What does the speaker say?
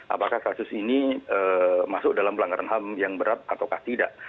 apakah kasus ini masuk dalam pelanggaran ham yang berat atau tidak